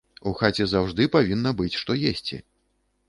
У хаце заўжды павінна быць што есці.